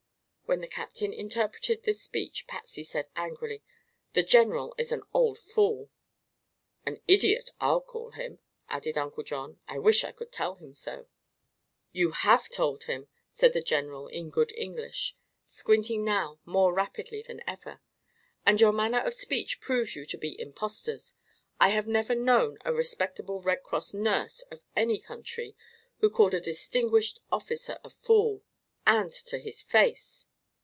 When the captain interpreted this speech Patsy said angrily: "The general is an old fool." "An idiot, I'll call him," added Uncle John. "I wish I could tell him so." "You have told him," said the general in good English, squinting now more rapidly than ever, "and your manner of speech proves you to be impostors. I have never known a respectable Red Cross nurse, of any country, who called a distinguished officer a fool and to his face."